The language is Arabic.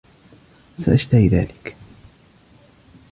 سأشتري ذلك.